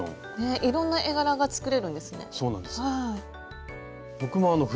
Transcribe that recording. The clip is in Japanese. いろんな絵柄が作れるんですね。